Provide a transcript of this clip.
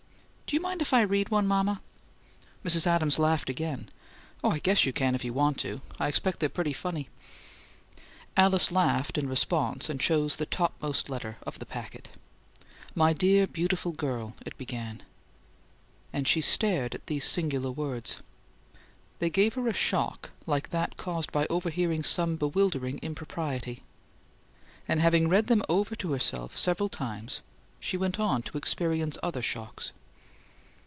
"Do you mind if I read one, mama?" Mrs. Adams laughed again. "Oh, I guess you can if you want to. I expect they're pretty funny!" Alice laughed in response, and chose the topmost letter of the packet. "My dear, beautiful girl," it began; and she stared at these singular words. They gave her a shock like that caused by overhearing some bewildering impropriety; and, having read them over to herself several times, she went on to experience other shocks.